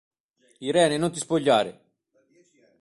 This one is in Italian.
Irene non ti spogliare!